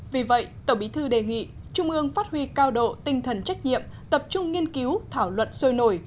vì vậy tổng bí thư đề nghị trung ương phát huy cao độ tinh thần trách nhiệm tập trung nghiên cứu thảo luận sôi nổi